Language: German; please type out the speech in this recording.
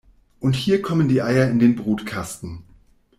Und hier kommen die Eier in den Brutkasten.